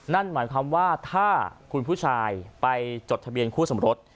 นั่นหมายความว่าถ้าคุณผู้ชายไปจดทะเบียนคู่สมรส